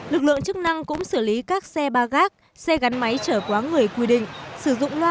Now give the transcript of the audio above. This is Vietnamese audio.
lực lượng chức năng cũng xử lý các xe ba gác xe gắn máy trở quá người quy định